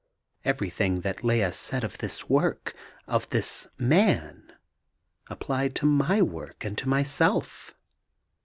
Everything that Lea said of this work, of this man, applied to my work; and to myself.